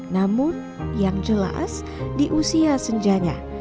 namun yang jelas di usia senjanya